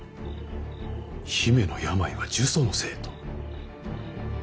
姫の病は呪詛のせいと？